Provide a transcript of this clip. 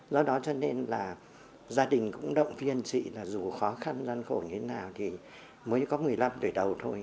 do đó cho nên là gia đình cũng động viên anh chị là dù khó khăn gian khổ như thế nào thì mới có một mươi năm tuổi đầu thôi